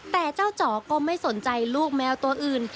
แต่เจ้าจ๋อก็ไม่สนใจลูกแมวตัวอื่น